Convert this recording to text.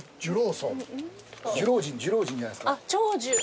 寿老人寿老人じゃないですか？